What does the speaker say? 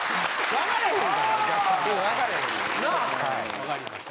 わかりました。